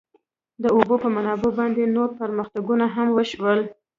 د اوبو په منابعو باندې نور پرمختګونه هم وشول.